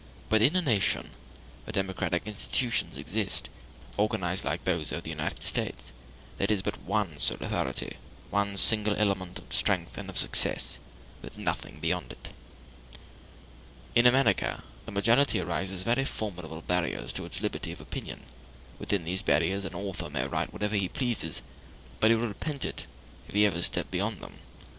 But in a nation where democratic institutions exist, organized like those of the United States, there is but one sole authority, one single element of strength and of success, with nothing beyond it. In America the majority raises very formidable barriers to the liberty of opinion: within these barriers an author may write whatever he pleases, but he will repent it if he ever step beyond them.